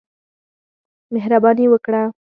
مهرباني وکړه.